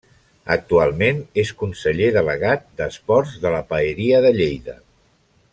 Actualment, és conseller delegat d'Esports de la Paeria de Lleida.